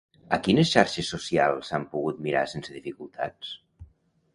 A quines xarxes socials s'han pogut mirar sense dificultats?